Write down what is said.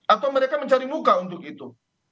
atau mereka mencari muka untuk itu